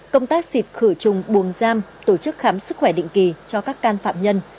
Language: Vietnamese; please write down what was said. công tác xịt khử trùng buồng giam tổ chức khám sức khỏe định kỳ cho các can phạm nhân